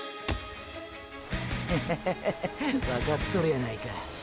ッハハハハわかっとるやないか。